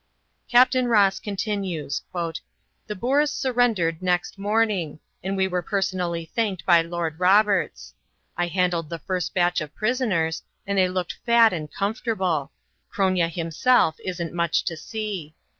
Capt. Ross continues: "The Boers surrendered next morning, and we were personally thanked by Lord Roberts. I handled the first batch of prisoners, and they looked fat and comfortable. Cronje himself isn't much to see.